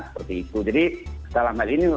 seperti itu jadi dalam hal ini